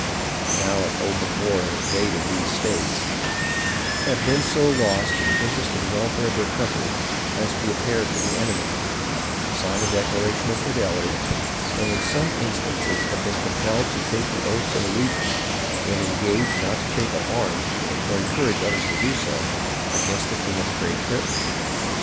(now at open war and invading these states), have been so lost to the interest and welfare of their country, as to repair to the enemy, sign a declara tion of fidelity, and in some instances have been compelled to take the oaths of allegiance, and engage not to take up arms, or encourage others so to do, against the king of Great Britain.